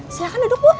eh silahkan duduk bu